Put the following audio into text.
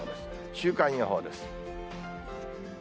週間予報です。